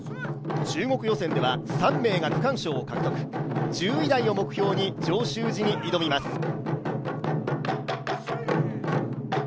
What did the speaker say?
中国予選では３名が区間賞を獲得１０位台を目標に上州路に挑みます。